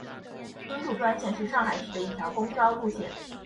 金祝专线是上海市的一条公交路线。